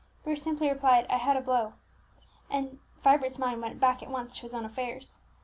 Bruce simply replied, "I had a blow;" and Vibert's mind went back at once to his own affairs.